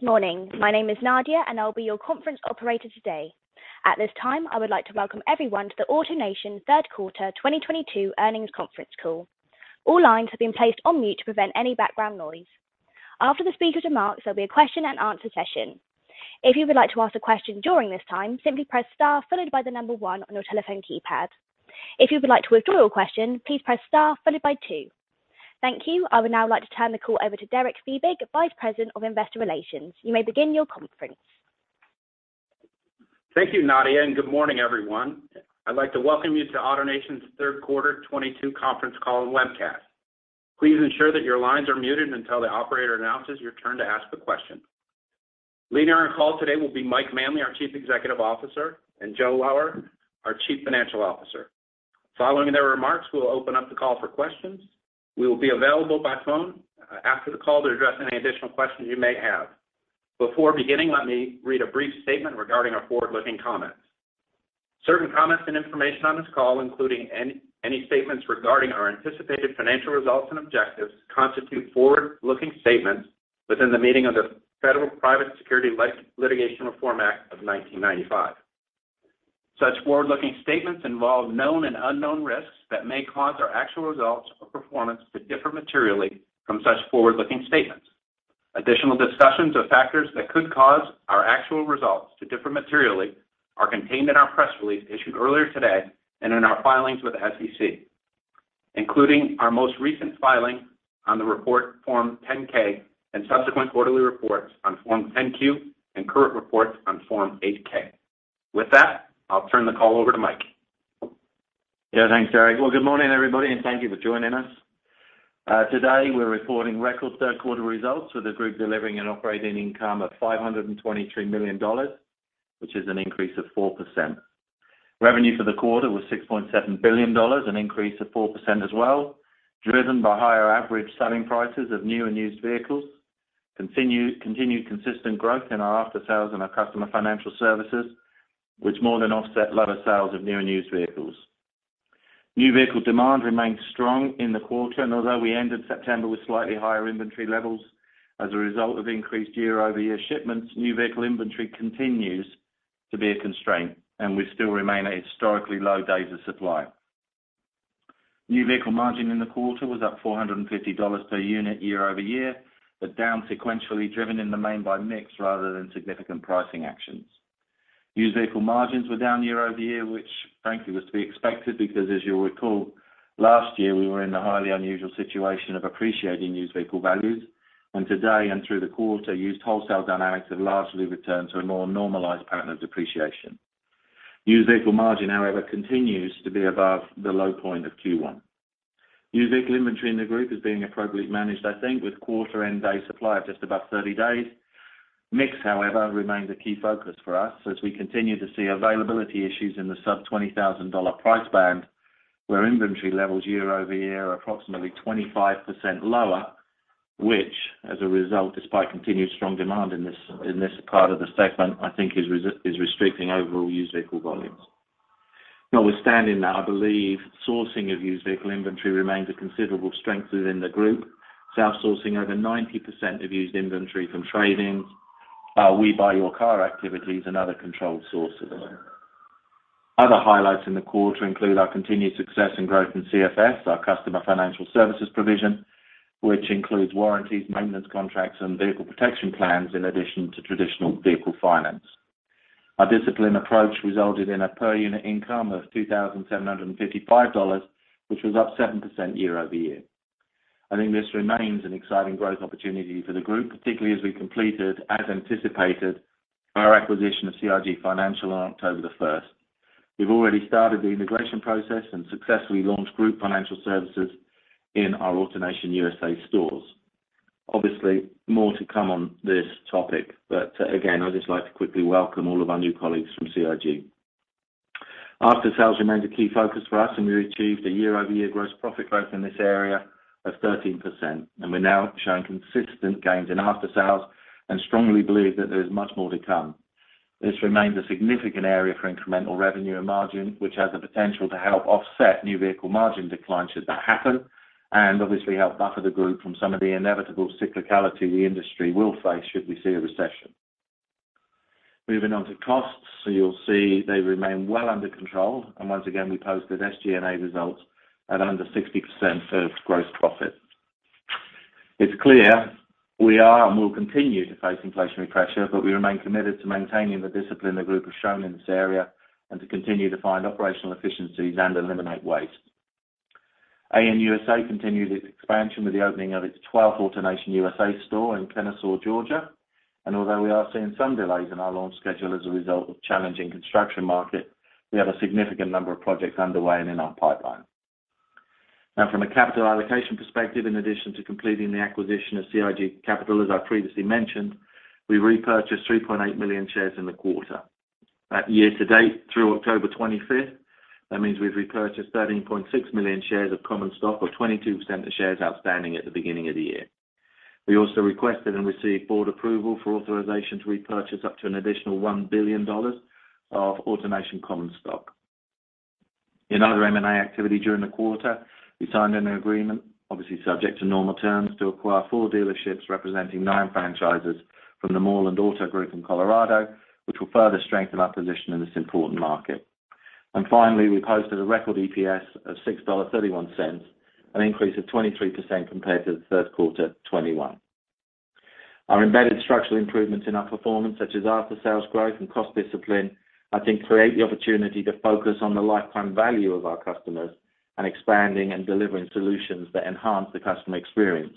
Good morning. My name is Nadia, and I'll be your conference operator today. At this time, I would like to welcome everyone to the AutoNation third quarter 2022 earnings conference call. All lines have been placed on mute to prevent any background noise. After the speaker's remarks, there'll be a question-and-answer session. If you would like to ask a question during this time, simply press star followed by the number one on your telephone keypad. If you would like to withdraw your question, please press star followed by two. Thank you. I would now like to turn the call over to Derek Fiebig, Vice President of Investor Relations. You may begin your conference. Thank you, Nadia, and good morning, everyone. I'd like to welcome you to AutoNation's third quarter 2022 conference call and webcast. Please ensure that your lines are muted until the operator announces your turn to ask the question. Leading our call today will be Mike Manley, our Chief Executive Officer, and Joe Lower, our Chief Financial Officer. Following their remarks, we'll open up the call for questions. We will be available by phone after the call to address any additional questions you may have. Before beginning, let me read a brief statement regarding our forward-looking comments. Certain comments and information on this call, including any statements regarding our anticipated financial results and objectives, constitute forward-looking statements within the meaning of the Private Securities Litigation Reform Act of 1995. Such forward-looking statements involve known and unknown risks that may cause our actual results or performance to differ materially from such forward-looking statements. Additional discussions of factors that could cause our actual results to differ materially are contained in our press release issued earlier today and in our filings with the SEC, including our most recent Form 10-K and subsequent quarterly reports on Form 10-Q and current reports on Form 8-K. With that, I'll turn the call over to Mike. Yeah, thanks, Derek. Well, good morning, everybody, and thank you for joining us. Today, we're reporting record third quarter results with the group delivering an operating income of $523 million, which is an increase of 4%. Revenue for the quarter was $6.7 billion, an increase of 4% as well, driven by higher average selling prices of new and used vehicles, continued consistent growth in our after-sales and our customer financial services, which more than offset lower sales of new and used vehicles. New vehicle demand remained strong in the quarter, and although we ended September with slightly higher inventory levels as a result of increased year-over-year shipments, new vehicle inventory continues to be a constraint, and we still remain at historically low days of supply. New vehicle margin in the quarter was up $450 per unit year-over-year, but down sequentially, driven in the main by mix rather than significant pricing actions. Used vehicle margins were down year-over-year, which frankly was to be expected because, as you'll recall, last year, we were in the highly unusual situation of appreciating used vehicle values, and today and through the quarter, used wholesale dynamics have largely returned to a more normalized pattern of depreciation. Used vehicle margin, however, continues to be above the low point of Q1. Used vehicle inventory in the group is being appropriately managed, I think, with quarter-end day supply of just about 30 days. Mix, however, remains a key focus for us as we continue to see availability issues in the sub-$20,000 price band, where inventory levels year-over-year are approximately 25% lower, which as a result, despite continued strong demand in this part of the segment, I think is restricting overall used vehicle volumes. Notwithstanding that, I believe sourcing of used vehicle inventory remains a considerable strength within the group. It's our sourcing over 90% of used inventory from trade-ins, We Buy Your Car activities and other controlled sources. Other highlights in the quarter include our continued success and growth in CFS, our Customer Financial Services provision, which includes warranties, maintenance contracts, and vehicle protection plans, in addition to traditional vehicle finance. Our disciplined approach resulted in a per unit income of $2,755, which was up 7% year-over-year. I think this remains an exciting growth opportunity for the group, particularly as we completed, as anticipated, our acquisition of CIG Financial on October 1st. We've already started the integration process and successfully launched group financial services in our AutoNation USA stores. Obviously, more to come on this topic, but, again, I'd just like to quickly welcome all of our new colleagues from CIG. After-sales remains a key focus for us, and we achieved a year-over-year gross profit growth in this area of 13%, and we're now showing consistent gains in after-sales and strongly believe that there is much more to come. This remains a significant area for incremental revenue and margin, which has the potential to help offset new vehicle margin decline should that happen, and obviously help buffer the group from some of the inevitable cyclicality the industry will face should we see a recession. Moving on to costs. You'll see they remain well under control, and once again, we posted SG&A results at under 60% of gross profit. It's clear we are and will continue to face inflationary pressure, but we remain committed to maintaining the discipline the group has shown in this area and to continue to find operational efficiencies and eliminate waste. AN USA continued its expansion with the opening of its twelfth AutoNation USA store in Kennesaw, Georgia. Although we are seeing some delays in our launch schedule as a result of challenging construction market, we have a significant number of projects underway and in our pipeline. Now from a capital allocation perspective, in addition to completing the acquisition of CIG Financial, as I previously mentioned, we repurchased 3.8 million shares in the quarter. At year to date through October 25th, that means we've repurchased 13.6 million shares of common stock, or 22% of shares outstanding at the beginning of the year. We also requested and received board approval for authorization to repurchase up to an additional $1 billion of AutoNation common stock. In other M&A activity during the quarter, we signed an agreement, obviously subject to normal terms, to acquire four dealerships representing nine franchises from the Moreland Auto Group in Colorado, which will further strengthen our position in this important market. Finally, we posted a record EPS of $6.31, an increase of 23% compared to the third quarter 2021. Our embedded structural improvements in our performance, such as after sales growth and cost discipline, I think create the opportunity to focus on the lifetime value of our customers and expanding and delivering solutions that enhance the customer experience.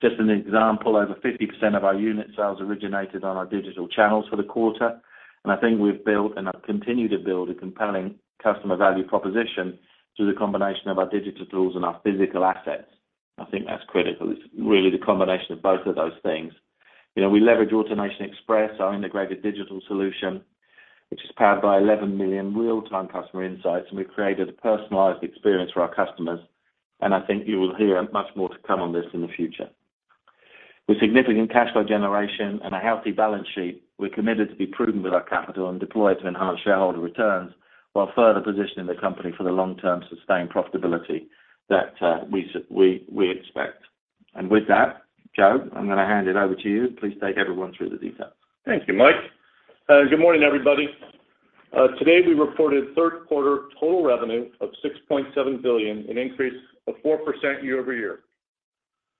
Just an example, over 50% of our unit sales originated on our digital channels for the quarter, and I think we've built, and have continued to build, a compelling customer value proposition through the combination of our digital tools and our physical assets. I think that's critical. It's really the combination of both of those things. You know, we leverage AutoNation Express, our integrated digital solution, which is powered by 11 million real-time customer insights, and we've created a personalized experience for our customers, and I think you will hear much more to come on this in the future. With significant cash flow generation and a healthy balance sheet, we're committed to be prudent with our capital and deploy it to enhance shareholder returns while further positioning the company for the long-term sustained profitability that we expect. With that, Joe, I'm going to hand it over to you. Please take everyone through the details. Thank you, Mike. Good morning, everybody. Today, we reported third quarter total revenue of $6.7 billion, an increase of 4% year-over-year.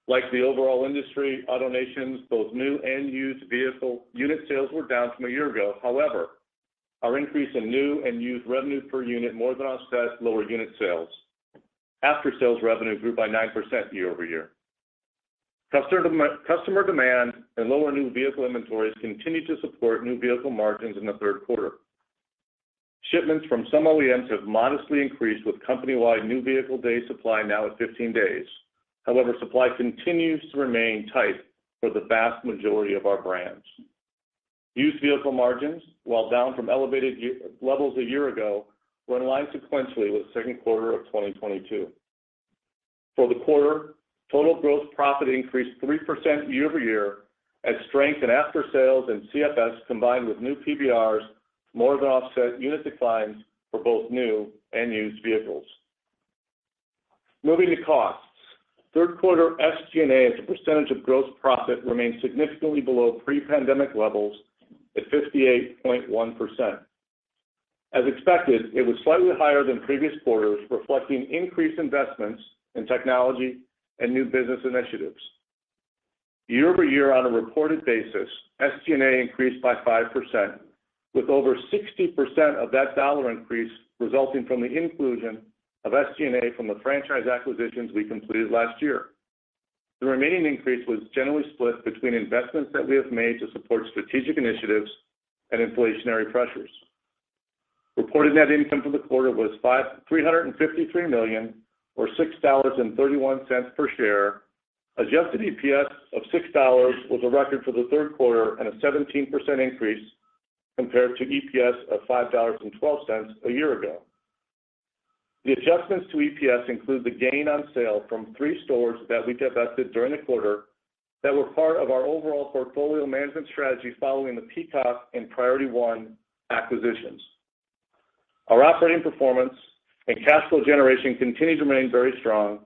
Like the overall industry, AutoNation's both new and used vehicle unit sales were down from a year ago. However, our increase in new and used revenue per unit more than offset lower unit sales. After sales revenue grew by 9% year-over-year. Customer demand and lower new vehicle inventories continued to support new vehicle margins in the third quarter. Shipments from some OEMs have modestly increased with company-wide new vehicle day supply now at 15 days. However, supply continues to remain tight for the vast majority of our brands. Used vehicle margins, while down from elevated levels a year ago, were in line sequentially with second quarter of 2022. For the quarter, total gross profit increased 3% year-over-year as strength in after sales and CFS, combined with new PVRs, more than offset unit declines for both new and used vehicles. Moving to costs. Third quarter SG&A, as a percentage of gross profit, remained significantly below pre-pandemic levels at 58.1%. As expected, it was slightly higher than previous quarters, reflecting increased investments in technology and new business initiatives. Year-over-year on a reported basis, SG&A increased by 5%, with over 60% of that dollar increase resulting from the inclusion of SG&A from the franchise acquisitions we completed last year. The remaining increase was generally split between investments that we have made to support strategic initiatives and inflationary pressures. Reported net income for the quarter was $353 million or $6.31 per share. Adjusted EPS of $6 was a record for the third quarter and a 17% increase compared to EPS of $5.12 a year ago. The adjustments to EPS include the gain on sale from three stores that we divested during the quarter that were part of our overall portfolio management strategy following the Peacock and Priority 1 acquisitions. Our operating performance and cash flow generation continue to remain very strong,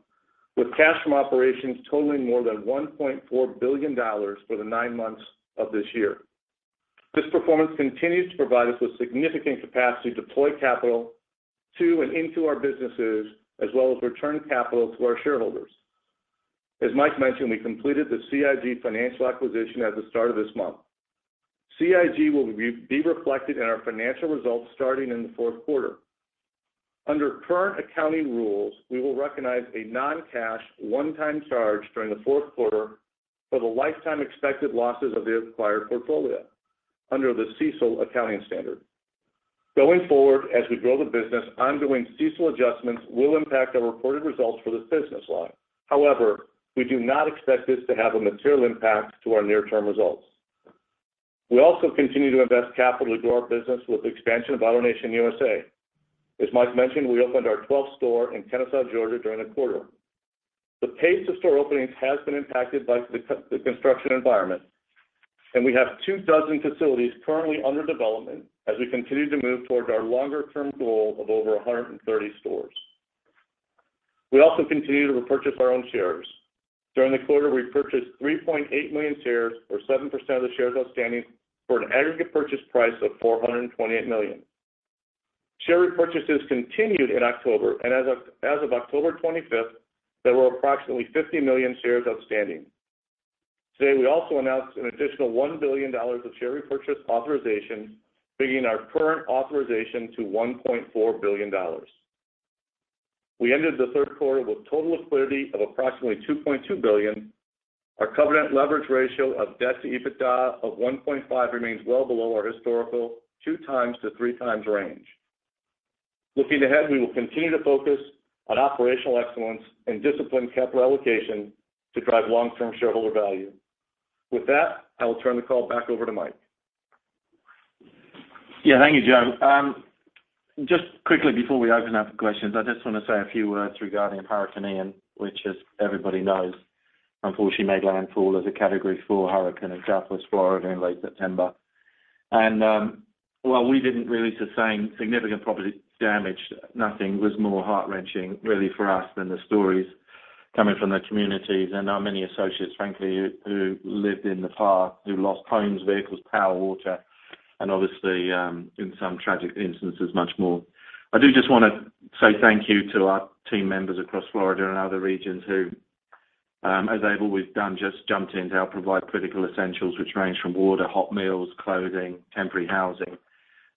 with cash from operations totaling more than $1.4 billion for the nine months of this year. This performance continues to provide us with significant capacity to deploy capital to and into our businesses as well as return capital to our shareholders. As Mike mentioned, we completed the CIG Financial acquisition at the start of this month. CIG will be reflected in our financial results starting in the fourth quarter. Under current accounting rules, we will recognize a non-cash one-time charge during the fourth quarter for the lifetime expected losses of the acquired portfolio under the CECL accounting standard. Going forward, as we grow the business, ongoing CECL adjustments will impact our reported results for this business line. However, we do not expect this to have a material impact to our near-term results. We also continue to invest capital to grow our business with expansion of AutoNation USA. As Mike mentioned, we opened our twelfth store in Kennesaw, Georgia during the quarter. The pace of store openings has been impacted by the construction environment, and we have two dozen facilities currently under development as we continue to move toward our longer-term goal of over 130 stores. We also continue to repurchase our own shares. During the quarter, we purchased 3.8 million shares, or 7% of the shares outstanding for an aggregate purchase price of $428 million. Share repurchases continued in October, and as of October 25th, there were approximately 50 million shares outstanding. Today, we also announced an additional $1 billion of share repurchase authorization, bringing our current authorization to $1.4 billion. We ended the third quarter with total liquidity of approximately $2.2 billion. Our covenant leverage ratio of debt to EBITDA of 1.5 remains well below our historical 2x-3x range. Looking ahead, we will continue to focus on operational excellence and disciplined capital allocation to drive long-term shareholder value. With that, I will turn the call back over to Mike. Yeah. Thank you, Joe. Just quickly before we open up for questions, I just want to say a few words regarding Hurricane Ian, which, as everybody knows, unfortunately made landfall as a Category 4 hurricane in Southwest Florida in late September. While we didn't really sustain significant property damage, nothing was more heart-wrenching really for us than the stories coming from the communities and our many associates, frankly, who lived in the path, who lost homes, vehicles, power, water, and obviously, in some tragic instances, much more. I do just want to say thank you to our team members across Florida and other regions who, as they've always done, just jumped in to help provide critical essentials, which range from water, hot meals, clothing, temporary housing.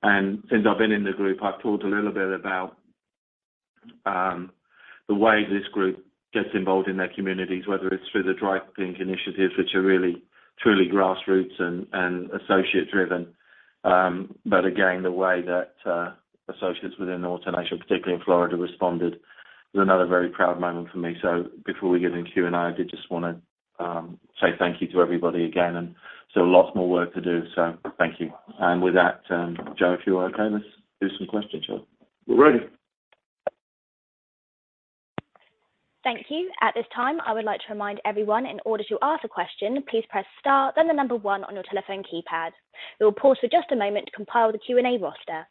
I've been in the group, I've talked a little bit about the way this group gets involved in their communities, whether it's through the Drive Pink initiatives, which are really, truly grassroots and associate driven. Again, the way that associates within AutoNation, particularly in Florida, responded was another very proud moment for me. Before we get into Q&A, I did just want to say thank you to everybody again. Still lots more work to do, so thank you. With that, Joe, if you're okay, let's do some questions. We're ready. Thank you. At this time, I would like to remind everyone in order to ask a question, please press star then the number one on your telephone keypad. We will pause for just a moment to compile the Q&A roster.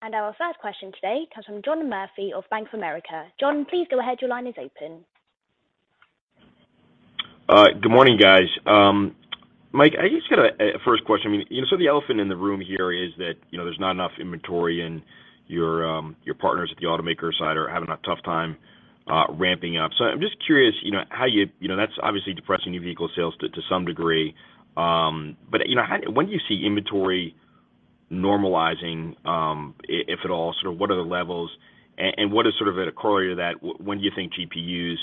Our first question today comes from John Murphy of Bank of America. John, please go ahead. Your line is open. Good morning, guys. Mike, I just got a first question. I mean, you know, so the elephant in the room here is that, you know, there's not enough inventory, and your partners at the automaker side are having a tough time ramping up. I'm just curious, you know. That's obviously depressing your vehicle sales to some degree. You know, when do you see inventory normalizing, if at all? Sort of what are the levels? What is sort of a corollary to that? When do you think GPUs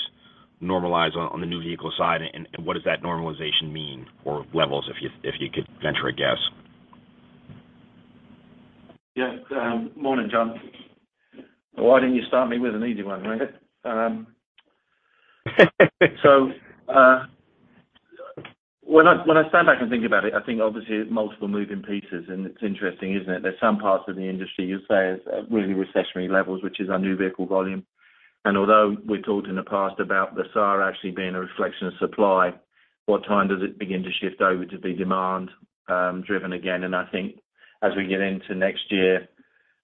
normalize on the new vehicle side? What does that normalization mean or levels, if you could venture a guess? Yes. Morning, John. Why didn't you start me with an easy one, right? When I stand back and think about it, I think obviously multiple moving pieces, and it's interesting, isn't it? There's some parts of the industry you'd say is at really recessionary levels, which is our new vehicle volume. Although we talked in the past about the SAR actually being a reflection of supply, what time does it begin to shift over to be demand driven again? I think as we get into next year,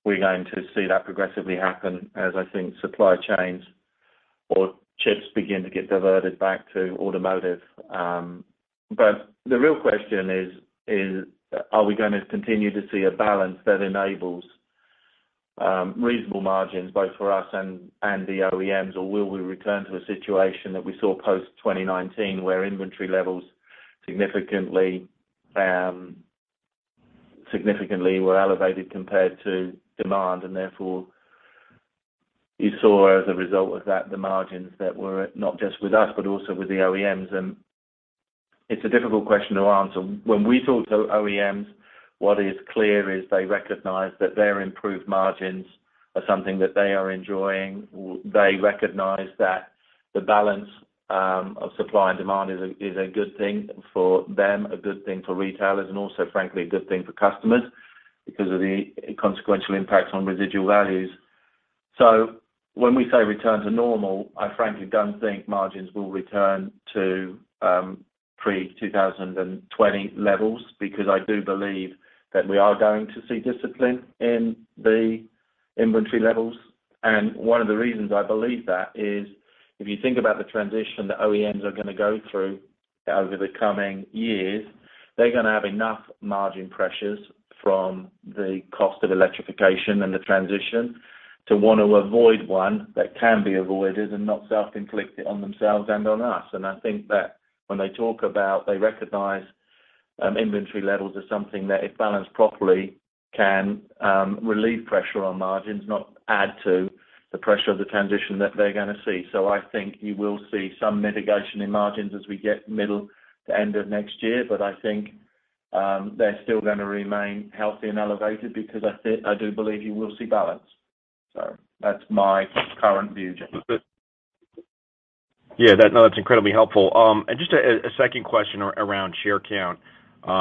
we're going to see that progressively happen as I think supply chains or chips begin to get diverted back to automotive. The real question is, are we going to continue to see a balance that enables reasonable margins both for us and the OEMs? Will we return to a situation that we saw post-2019 where inventory levels significantly were elevated compared to demand and therefore you saw as a result of that the margins that were not just with us, but also with the OEMs. It's a difficult question to answer. When we talk to OEMs, what is clear is they recognize that their improved margins are something that they are enjoying. They recognize that the balance of supply and demand is a good thing for them, a good thing for retailers, and also, frankly, a good thing for customers because of the consequential impacts on residual values. When we say return to normal, I frankly don't think margins will return to pre-2020 levels because I do believe that we are going to see discipline in the inventory levels. One of the reasons I believe that is if you think about the transition that OEMs are going to go through over the coming years, they're going to have enough margin pressures from the cost of electrification and the transition to want to avoid one that can be avoided and not self-inflict it on themselves and on us. I think that when they talk about they recognize inventory levels as something that if balanced properly can relieve pressure on margins, not add to the pressure of the transition that they're going to see. I think you will see some mitigation in margins as we get middle to end of next year, but I think they're still going to remain healthy and elevated because I do believe you will see balance. That's my current view, John. Yeah. No, that's incredibly helpful. Just a second question around share count. You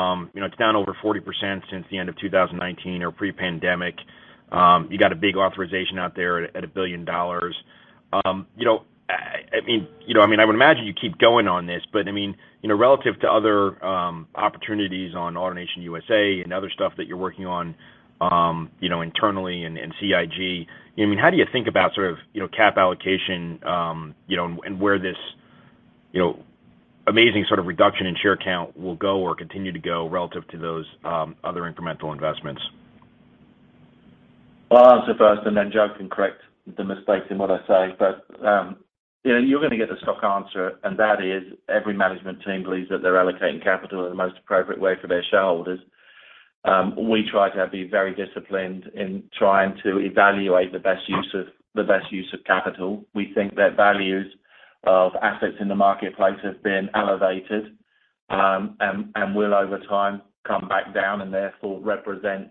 know, it's down over 40% since the end of 2019 or pre-pandemic. You got a big authorization out there at $1 billion. You know, I mean, you know, I mean, I would imagine you keep going on this, but I mean, you know, relative to other opportunities on AutoNation USA and other stuff that you're working on, internally and CIG, I mean, how do you think about sort of, you know, capital allocation, you know, and where this, you know, amazing sort of reduction in share count will go or continue to go relative to those other incremental investments? Well, I'll answer first, and then Joe can correct the mistakes in what I say. You know, you're going to get the stock answer, and that is every management team believes that they're allocating capital in the most appropriate way for their shareholders. We try to be very disciplined in trying to evaluate the best use of capital. We think that values of assets in the marketplace have been elevated, and will over time come back down and therefore represent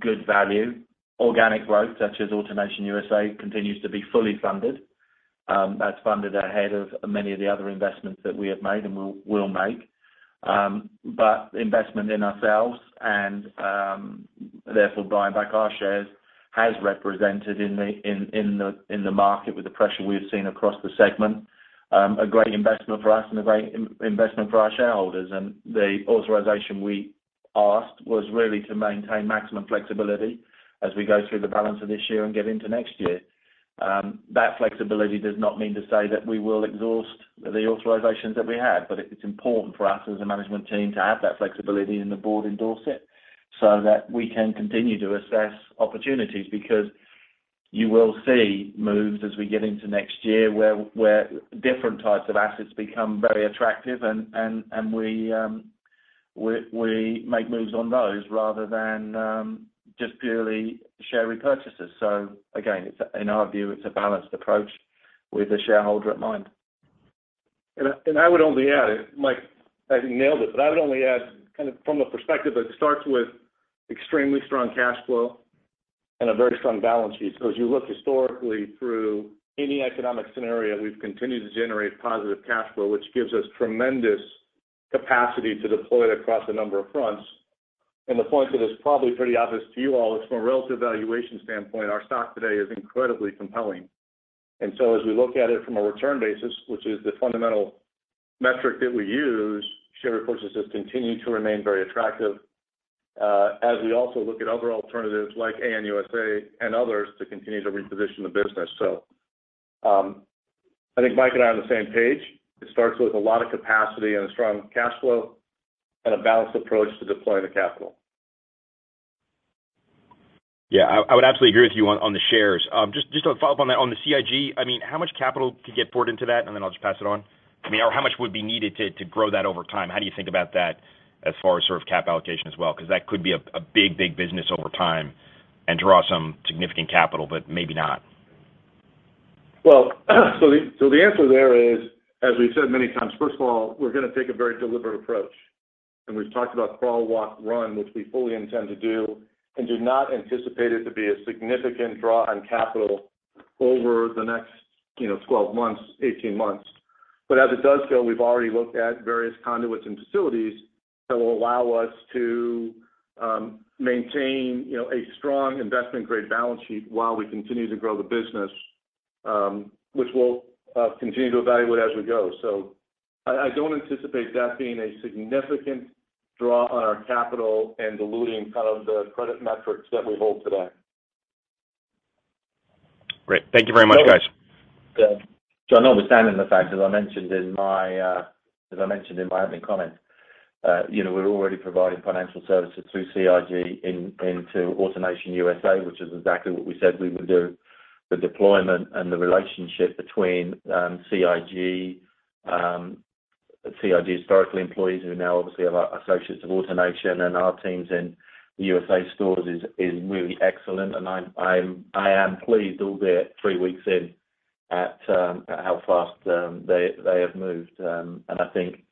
good value. Organic growth, such as AutoNation USA, continues to be fully funded. That's funded ahead of many of the other investments that we have made and will make. But investment in ourselves and therefore buying back our shares has represented in the market with the pressure we've seen across the segment a great investment for us and a great investment for our shareholders. The authorization we asked was really to maintain maximum flexibility as we go through the balance of this year and get into next year. That flexibility does not mean to say that we will exhaust the authorizations that we have, but it's important for us as a management team to have that flexibility and the board endorse it so that we can continue to assess opportunities. Because you will see moves as we get into next year where different types of assets become very attractive and we make moves on those rather than just purely share repurchases. Again, it's, in our view, it's a balanced approach with the shareholder in mind. Mike, I think nailed it, but I would only add kind of from a perspective that starts with extremely strong cash flow and a very strong balance sheet. As you look historically through any economic scenario, we've continued to generate positive cash flow, which gives us tremendous capacity to deploy it across a number of fronts. The point that is probably pretty obvious to you all is from a relative valuation standpoint, our stock today is incredibly compelling. As we look at it from a return basis, which is the fundamental metric that we use, share repurchases continue to remain very attractive, as we also look at other alternatives like AN USA and others to continue to reposition the business. I think Mike and I are on the same page. It starts with a lot of capacity and a strong cash flow and a balanced approach to deploying the capital. Yeah. I would absolutely agree with you on the shares. Just to follow up on that. On the CIG, I mean, how much capital could get poured into that? I'll just pass it on. I mean, or how much would be needed to grow that over time? How do you think about that as far as sort of capital allocation as well? Because that could be a big business over time and draw some significant capital, but maybe not. Well, the answer there is, as we've said many times, first of all, we're going to take a very deliberate approach. We've talked about crawl, walk, run, which we fully intend to do, and do not anticipate it to be a significant draw on capital over the next, you know, 12 months, 18 months. As it does go, we've already looked at various conduits and facilities that will allow us to maintain, you know, a strong investment-grade balance sheet while we continue to grow the business, which we'll continue to evaluate as we go. I don't anticipate that being a significant draw on our capital and diluting kind of the credit metrics that we hold today. Great. Thank you very much, guys. Notwithstanding the fact, as I mentioned in my opening comments, you know, we're already providing financial services through CIG into AutoNation USA, which is exactly what we said we would do. The deployment and the relationship between CIG historical employees who now obviously are associates of AutoNation and our teams in the USA stores is really excellent. I am pleased, albeit three weeks in, at how fast they have moved. I think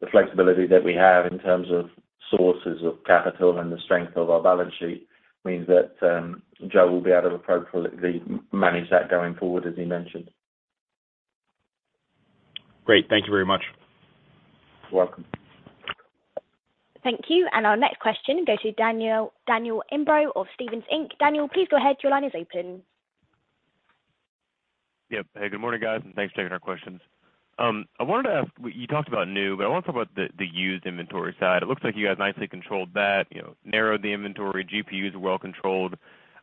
the flexibility that we have in terms of sources of capital and the strength of our balance sheet means that Joe will be able to appropriately manage that going forward, as he mentioned. Great. Thank you very much. You're welcome. Thank you. Our next question goes to Daniel Imbro of Stephens Inc. Daniel, please go ahead. Your line is open. Yep. Hey, good morning, guys, and thanks for taking our questions. I wanted to ask, you talked about new, but I want to talk about the used inventory side. It looks like you guys nicely controlled that, you know, narrowed the inventory. GPUs are well controlled.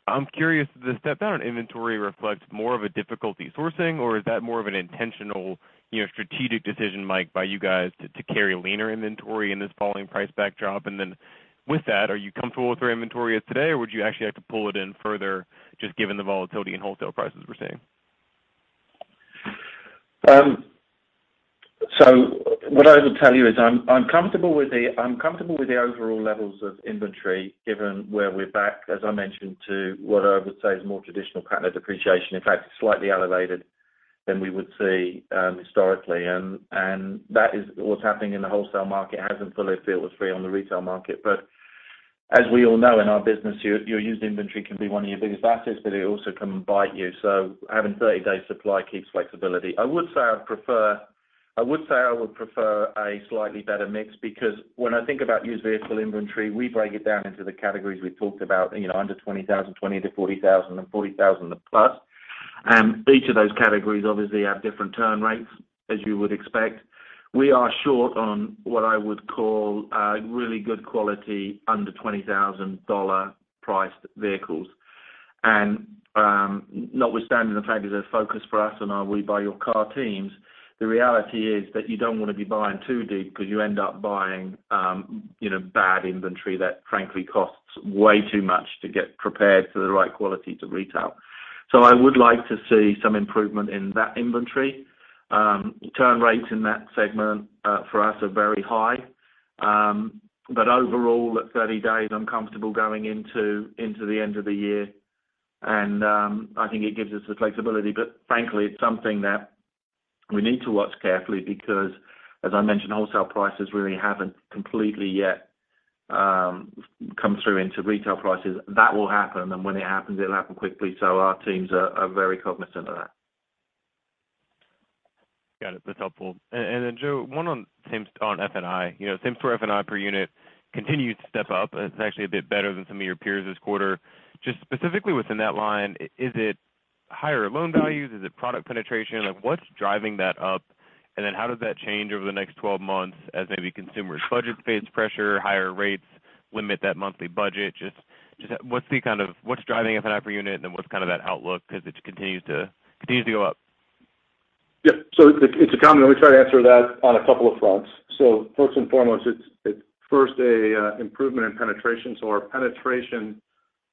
I'm curious if the step down in inventory reflects more of a difficulty sourcing or is that more of an intentional, you know, strategic decision, Mike, by you guys to carry leaner inventory in this falling price backdrop? With that, are you comfortable with your inventory as of today, or would you actually have to pull it in further just given the volatility in wholesale prices we're seeing? What I would tell you is I'm comfortable with the overall levels of inventory given where we're back, as I mentioned, to what I would say is more traditional pattern of depreciation, in fact, slightly elevated than we would see, historically. That is what's happening in the wholesale market. It hasn't fully filtered through on the retail market. As we all know in our business, your used inventory can be one of your biggest assets, but it also can bite you. Having 30 days supply keeps flexibility. I would say I would prefer a slightly better mix because when I think about used vehicle inventory, we break it down into the categories we've talked about, you know, under $20,000, $20,000-$40,000, and $40,000+. Each of those categories obviously have different turn rates, as you would expect. We are short on what I would call really good quality under $20,000 priced vehicles. Notwithstanding the fact there's a focus for us on our We Buy Your Car teams, the reality is that you don't want to be buying too deep because you end up buying, you know, bad inventory that frankly costs way too much to get prepared for the right quality to retail. I would like to see some improvement in that inventory. Turn rates in that segment for us are very high. Overall, at 30 days, I'm comfortable going into the end of the year. I think it gives us the flexibility. Frankly, it's something that we need to watch carefully because, as I mentioned, wholesale prices really haven't completely yet come through into retail prices. That will happen, and when it happens, it'll happen quickly, so our teams are very cognizant of that. Got it. That's helpful. Joe, one on same on F&I. You know, same-store F&I per unit continued to step up. It's actually a bit better than some of your peers this quarter. Just specifically within that line, is it higher loan values? Is it product penetration? Like, what's driving that up? How does that change over the next 12 months as maybe consumers' budgets face pressure, higher rates limit that monthly budget? Just, what's driving F&I per unit and then what's kinda that outlook as it continues to go up? Yeah. It's a common one. Let me try to answer that on a couple of fronts. First and foremost, it's first a improvement in penetration. Our penetration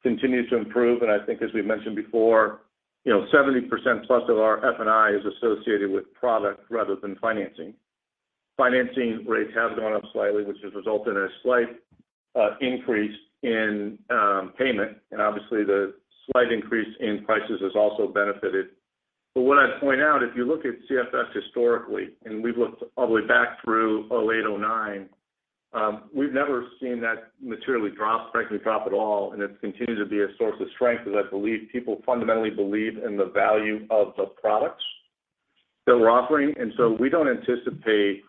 continues to improve. I think as we've mentioned before, you know, 70%+ of our F&I is associated with product rather than financing. Financing rates have gone up slightly, which has resulted in a slight increase in payment. Obviously the slight increase in prices has also benefited. What I'd point out, if you look at CFS historically, we've looked all the way back through 2008, 2009, we've never seen that materially drop, and it's continued to be a source of strength as I believe people fundamentally believe in the value of the products that we're offering. We don't anticipate,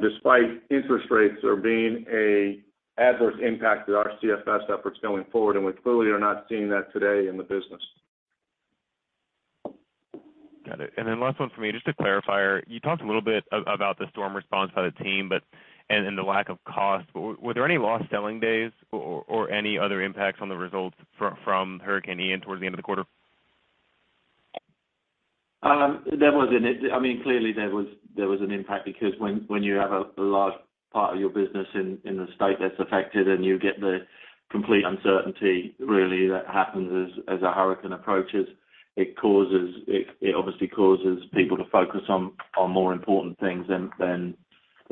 despite interest rates there being an adverse impact to our CFS efforts going forward. We clearly are not seeing that today in the business. Got it. Last one for me, just to clarify. You talked a little bit about the storm response by the team, but and the lack of cost. Were there any lost selling days or any other impacts on the results from Hurricane Ian towards the end of the quarter? I mean, clearly there was an impact because when you have a large part of your business in a state that's affected and you get the complete uncertainty really that happens as a hurricane approaches, it obviously causes people to focus on more important things than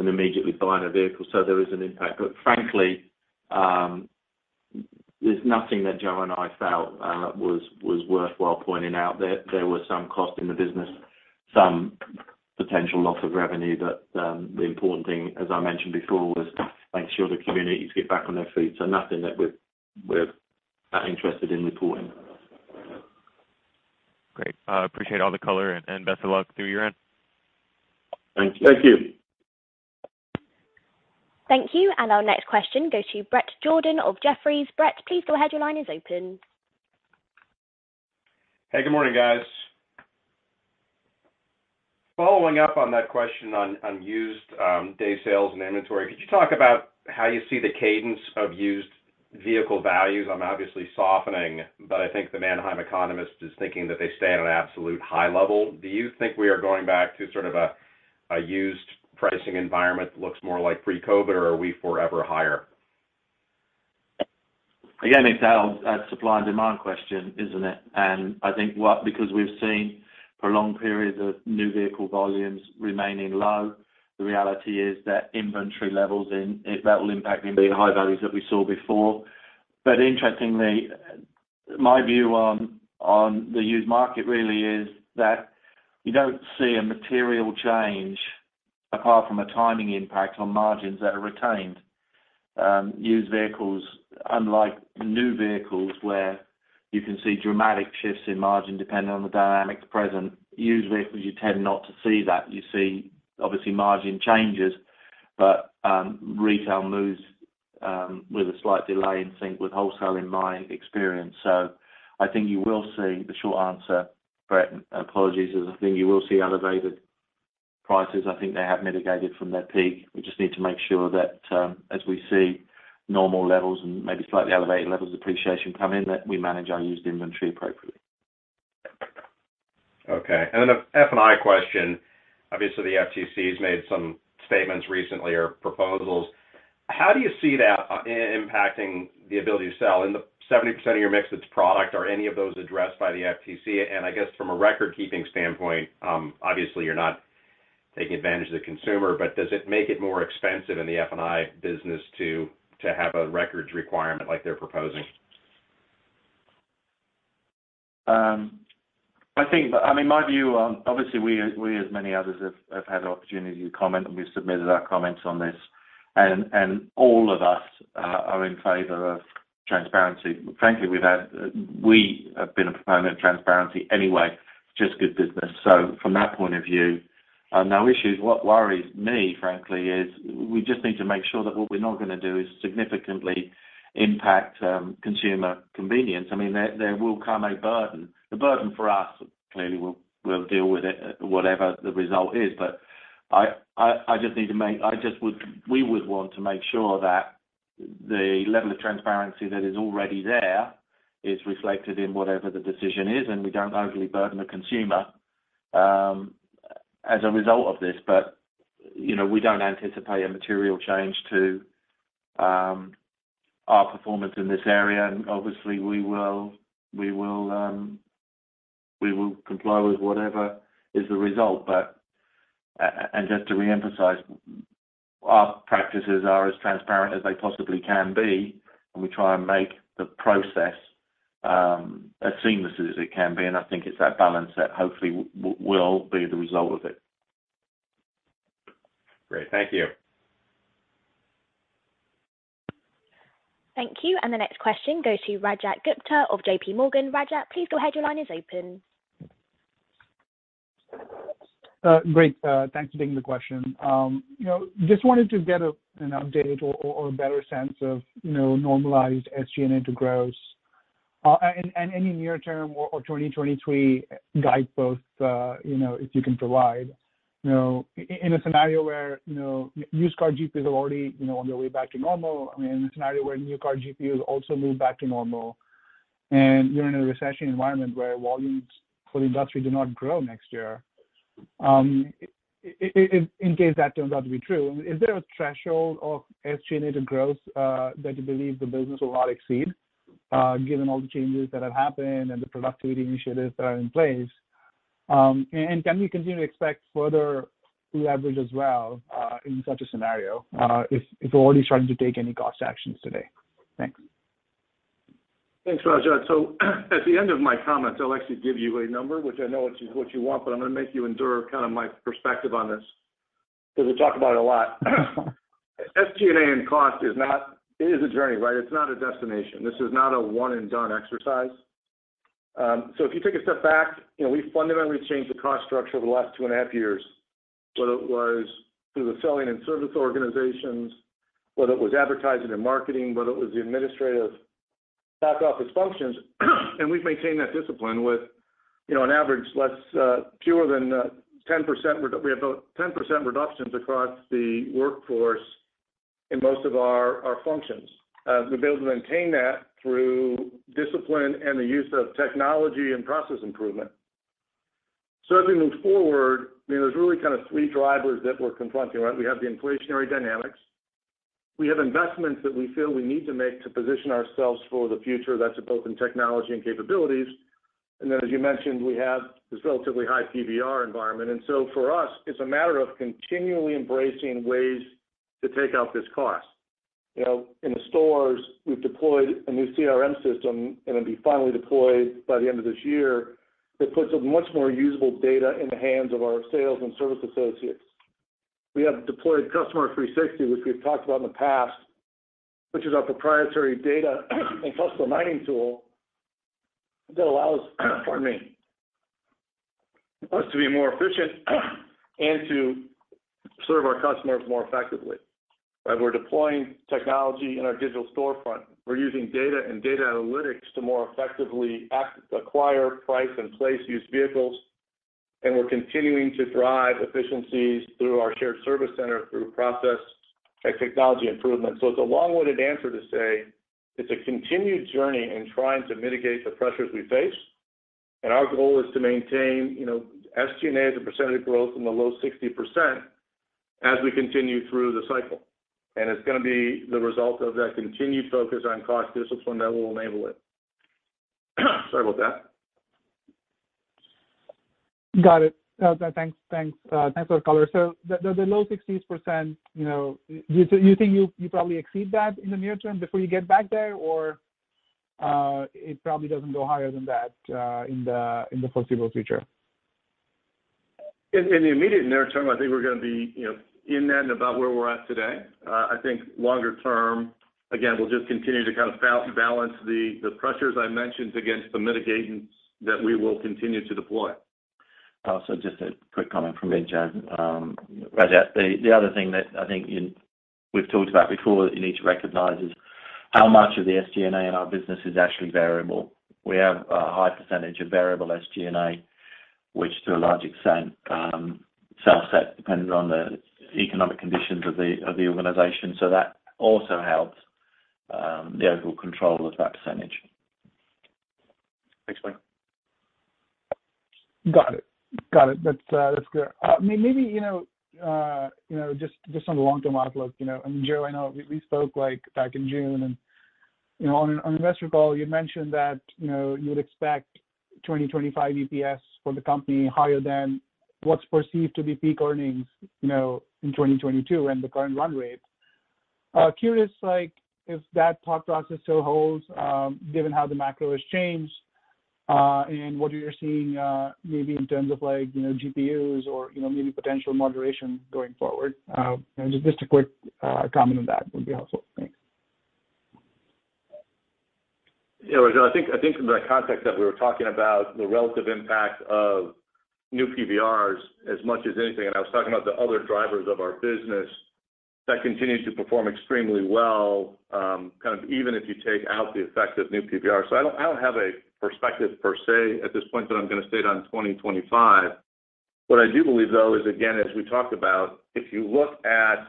immediately buying a vehicle. There is an impact. Frankly, there's nothing that Joe and I felt was worthwhile pointing out. There was some cost in the business, some potential loss of revenue. The important thing, as I mentioned before, was make sure the communities get back on their feet. Nothing that we're that interested in reporting. Great. I appreciate all the color and best of luck through year-end. Thanks. Thank you. Thank you. Our next question goes to Bret Jordan of Jefferies. Bret, please go ahead. Your line is open. Hey, good morning, guys. Following up on that question on used day sales and inventory, could you talk about how you see the cadence of used vehicle values obviously softening, but I think the Manheim economist is thinking that they stay at an absolute high level. Do you think we are going back to sort of a used pricing environment that looks more like pre-COVID, or are we forever higher? Again, it's a supply and demand question, isn't it? I think because we've seen prolonged periods of new vehicle volumes remaining low, the reality is that inventory levels that will impact the high values that we saw before. Interestingly, my view on the used market really is that you don't see a material change apart from a timing impact on margins that are retained. Used vehicles, unlike new vehicles, where you can see dramatic shifts in margin depending on the dynamics present. Used vehicles, you tend not to see that. You see obviously margin changes, but retail moves with a slight delay in sync with wholesale in my experience. I think you will see the short answer, Brett, apologies, is I think you will see elevated prices. I think they have mitigated from their peak. We just need to make sure that, as we see normal levels and maybe slightly elevated levels of appreciation come in, that we manage our used inventory appropriately. Okay. An F&I question. Obviously, the FTC has made some statements recently or proposals. How do you see that impacting the ability to sell? In the 70% of your mix that's product, are any of those addressed by the FTC? I guess from a record keeping standpoint, obviously you're not taking advantage of the consumer, but does it make it more expensive in the F&I business to have a records requirement like they're proposing? I mean, my view, obviously we, as many others have had an opportunity to comment, and we've submitted our comments on this. All of us are in favor of transparency. Frankly, we have been a proponent of transparency anyway, just good business. From that point of view, no issues. What worries me, frankly, is we just need to make sure that what we're not going to do is significantly impact consumer convenience. I mean, there will come a burden. The burden for us, clearly, we'll deal with it whatever the result is. We would want to make sure that the level of transparency that is already there is reflected in whatever the decision is, and we don't overly burden the consumer as a result of this. You know, we don't anticipate a material change to our performance in this area. Obviously, we will comply with whatever is the result. Just to reemphasize, our practices are as transparent as they possibly can be, and we try and make the process as seamless as it can be. I think it's that balance that hopefully will be the result of it. Great. Thank you. Thank you. The next question goes to Rajat Gupta of JPMorgan. Rajat, please go ahead. Your line is open. Great. Thanks for taking the question. You know, just wanted to get an update or a better sense of, you know, normalized SG&A to gross. And any near-term or 2023 guideposts, you know, if you can provide. You know, in a scenario where, you know, used car GP is already, you know, on their way back to normal. I mean, in a scenario where new car GP is also moved back to normal, and you're in a recession environment where volumes for the industry do not grow next year. In case that turns out to be true, is there a threshold of SG&A to growth that you believe the business will not exceed, given all the changes that have happened and the productivity initiatives that are in place? Can we continue to expect further leverage as well in such a scenario if we're already starting to take any cost actions today? Thanks. Thanks, Rajat. At the end of my comments, I'll actually give you a number, which I know is what you want, but I'm going to make you endure kind of my perspective on this because we talk about it a lot. SG&A and cost is not. It is a journey, right? It's not a one and done exercise. If you take a step back, you know, we fundamentally changed the cost structure over the last 2two and half years, whether it was through the selling and service organizations, whether it was advertising and marketing, whether it was the administrative back office functions. We've maintained that discipline with, you know, on average, we have about 10% reductions across the workforce in most of our functions. We've been able to maintain that through discipline and the use of technology and process improvement. As we move forward, I mean, there's really kind of three drivers that we're confronting, right? We have the inflationary dynamics. We have investments that we feel we need to make to position ourselves for the future, that's both in technology and capabilities. As you mentioned, we have this relatively high PVR environment. For us, it's a matter of continually embracing ways to take out this cost. You know, in the stores, we've deployed a new CRM system, it'll be finally deployed by the end of this year. That puts a much more usable data in the hands of our sales and service associates. We have deployed Customer 360, which we've talked about in the past, which is our proprietary data and customer mining tool that allows, pardon me, us to be more efficient and to serve our customers more effectively. As we're deploying technology in our digital storefront, we're using data and data analytics to more effectively acquire price and place used vehicles. We're continuing to drive efficiencies through our shared service center through process and technology improvement. It's a long-winded answer to say it's a continued journey in trying to mitigate the pressures we face. Our goal is to maintain, you know, SG&A as a percentage growth from the low 60% as we continue through the cycle. It's going to be the result of that continued focus on cost discipline that will enable it. Sorry about that. Got it. Thanks for the color. The low 60s-percent, you know, you think you probably exceed that in the near-term before you get back there, or it probably doesn't go higher than that, in the foreseeable future? In the immediate near term, I think we're going to be, you know, in and about where we're at today. I think longer-term, again, we'll just continue to kind of balance the pressures I mentioned against the mitigants that we will continue to deploy. Just a quick comment from me, Rajat. Rajat, the other thing that I think we've talked about before that you need to recognize is how much of the SG&A in our business is actually variable. We have a high percentage of variable SG&A, which to a large extent, self-set depending on the economic conditions of the organization. That also helps the overall control of that percentage. Thanks, Mike. Got it. That's clear. Maybe you know, just on the long-term outlook, you know, and Joe, I know we spoke like back in June and, you know, on investor call you mentioned that, you know, you'd expect 2025 EPS for the company higher than what's perceived to be peak earnings, you know, in 2022 and the current run rate. Curious, like if that thought process still holds, given how the macro has changed, and what you're seeing, maybe in terms of like, you know, GPUs or, you know, maybe potential moderation going forward. Just a quick comment on that would be helpful. Thanks. Yeah, Rajat, I think from the context that we were talking about the relative impact of new PVRs as much as anything, and I was talking about the other drivers of our business that continue to perform extremely well, kind of even if you take out the effect of new PVR. So I don't have a perspective per se at this point that I'm going to state on 2025. What I do believe, though, is again, as we talked about, if you look at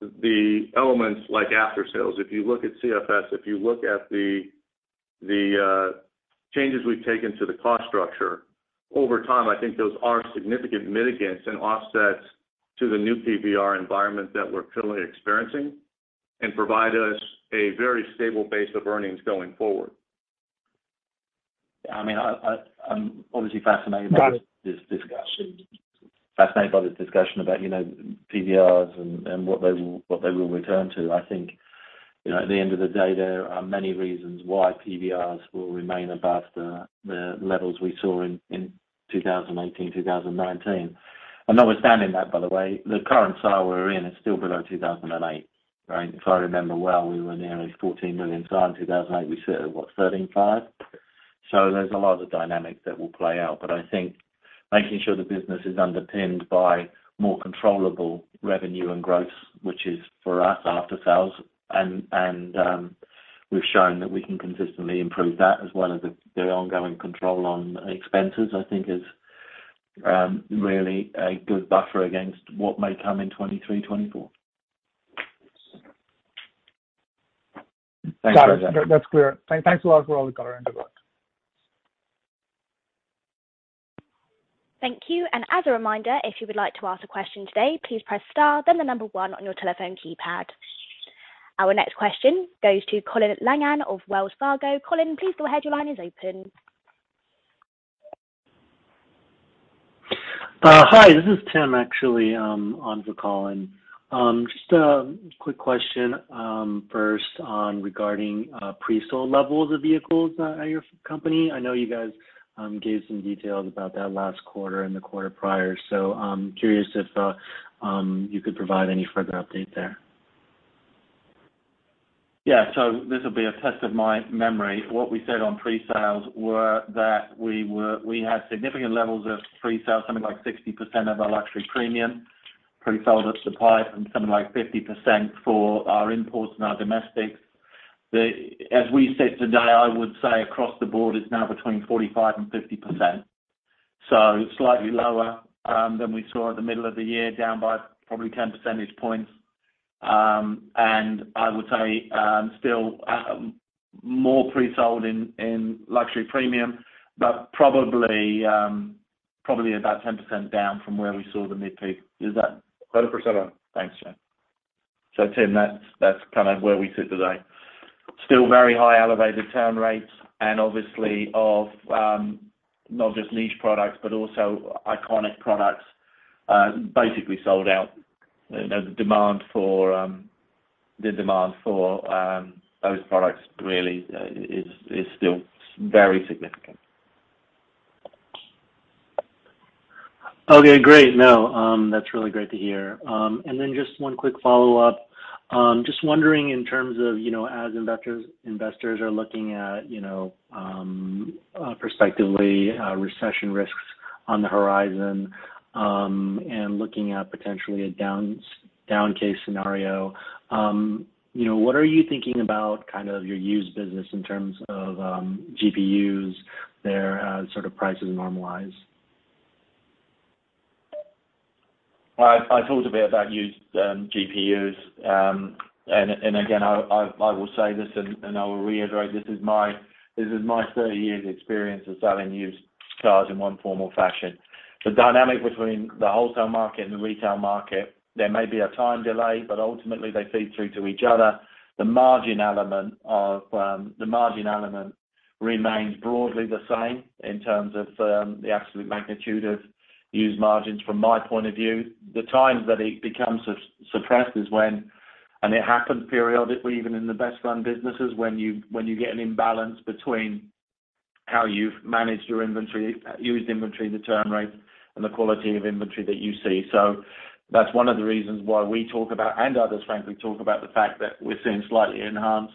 the elements like after sales, if you look at CFS, if you look at the changes we've taken to the cost structure over time, I think those are significant mitigants and offsets to the new PVR environment that we're currently experiencing and provide us a very stable base of earnings going forward. I mean, I'm obviously fascinated by this discussion about, you know, PVRs and what they will return to. I think, you know, at the end of the day, there are many reasons why PVRs will remain above the levels we saw in 2018, 2019. Notwithstanding that, by the way, the current SAR we're in is still below 2008, right? If I remember well, we were nearly 14 million SAR in 2008. We sit at what? 13.5 million. So there's a lot of dynamics that will play out. I think making sure the business is underpinned by more controllable revenue and gross, which is, for us, after sales and, we've shown that we can consistently improve that as well as the ongoing control on expenses, I think is, really a good buffer against what may come in 2023, 2024. Got it. That's clear. Thanks a lot for all the color. Over. Thank you. As a reminder, if you would like to ask a question today, please press star then the number one on your telephone keypad. Our next question goes to Colin Langan of Wells Fargo. Colin, please go ahead. Your line is open. Hi, this is Tim, actually, on for Colin. Just a quick question, first, regarding pre-sold levels of vehicles at your franchised company. I know you guys gave some details about that last quarter and the quarter prior. I'm curious if you could provide any further update there. This will be a test of my memory. What we said on pre-sales were that we had significant levels of pre-sales, something like 60% of our luxury premium pre-sold of supply from something like 50% for our imports and our domestics. As we sit today, I would say across the board it's now between 45% and 50%. Slightly lower than we saw at the middle of the year, down by probably 10 percentage points. I would say still more pre-sold in luxury premium, but probably about 10% down from where we saw the mid-peak. Is that- 10% down. Thanks, Joe. Tim, that's kind of where we sit today. Still very high elevated turn rates and obviously not just niche products but also iconic products, basically sold out. You know, the demand for those products really is still very significant. Okay, great. No, that's really great to hear. Then just one quick follow-up. Just wondering in terms of, you know, as investors are looking at, you know, prospectively, recession risks on the horizon, and looking at potentially a downside case scenario, you know, what are you thinking about kind of your used business in terms of, GPUs there as sort of prices normalize? I talked a bit about used GPUs. Again, I will say this and I will reiterate, this is my 30 years experience of selling used cars in one form or fashion. The dynamic between the wholesale market and the retail market. There may be a time delay, but ultimately they feed through to each other. The margin element remains broadly the same in terms of the absolute magnitude of used margins from my point of view. The times that it becomes suppressed is when, and it happens periodically even in the best-run businesses, when you get an imbalance between how you've managed your inventory, used inventory, the turn rates, and the quality of inventory that you see. That's one of the reasons why we talk about, and others frankly talk about the fact that we're seeing slightly enhanced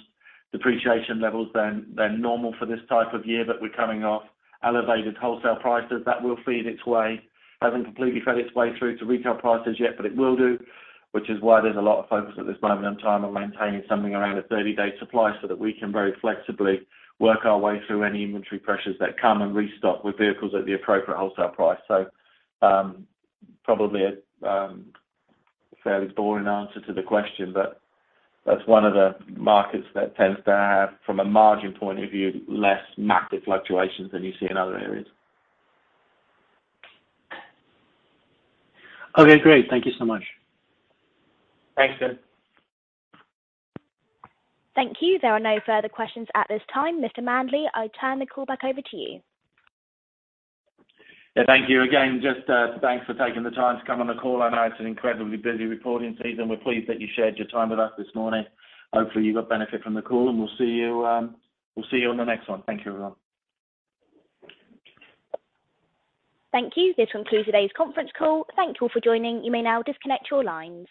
depreciation levels than normal for this type of year. We're coming off elevated wholesale prices. That will feed its way. Haven't completely fed its way through to retail prices yet, but it will do. Which is why there's a lot of focus at this moment in time on maintaining something around a 30-day supply so that we can very flexibly work our way through any inventory pressures that come and restock with vehicles at the appropriate wholesale price. Probably a fairly boring answer to the question, but that's one of the markets that tends to have, from a margin point of view, less massive fluctuations than you see in other areas. Okay, great. Thank you so much. Thanks, Tim. Thank you. There are no further questions at this time. Mr. Manley, I turn the call back over to you. Yeah. Thank you again. Just, thanks for taking the time to come on the call. I know it's an incredibly busy reporting season. We're pleased that you shared your time with us this morning. Hopefully you got benefit from the call, and we'll see you on the next one. Thank you, everyone. Thank you. This will conclude today's conference call. Thank you all for joining. You may now disconnect your lines.